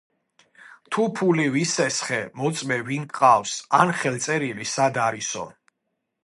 თუ ფული ვისესხე, მოწმე ვინ გყავს, ან ხელწერილი სად არისო